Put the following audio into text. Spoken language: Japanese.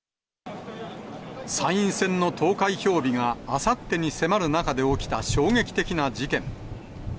参院選の投開票日があさってに迫る中で起きた衝撃的な事件。